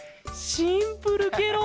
シンプルケロ！